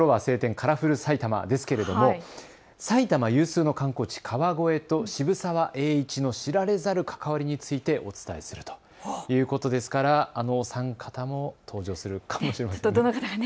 カラフル埼玉ですけれども、埼玉有数の観光地、川越と渋沢栄一の知られざる関わりについてお伝えするということですからお三方も登場するかもしれません。